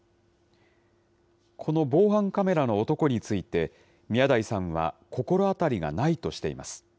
この防犯カメラの男について、宮台さんは心当たりがないとしています。